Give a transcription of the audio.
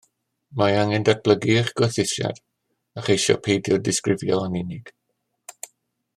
Mae angen datblygu eich gwerthusiad, a cheisio peidio disgrifio yn unig